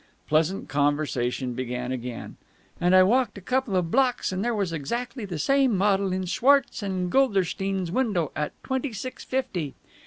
Pleasant conversation began again. "... And I walked a couple of blocks, and there was exactly the same model in Schwartz and Gulderstein's window at twenty six fifty...."